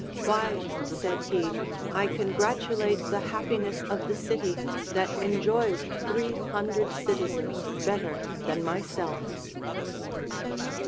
Why, said he, I congratulate the happiness of the city, that en joys three hundred citizens better than myself.